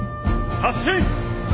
発進！